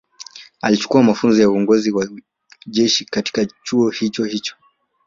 Alichukua mafunzo ya uongozi wa jeshi katika chuo hicho hicho